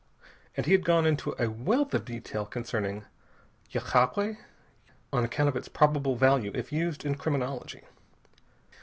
And he had gone into a wealth of detail concerning yagué, on account of its probable value if used in criminology.